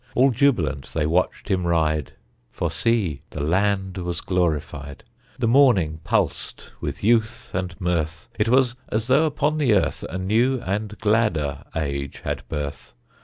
All jubilant they watched him ride, For see, the land was glorified: The morning pulsed with youth and mirth, It was as though upon the earth A new and gladder age had birth.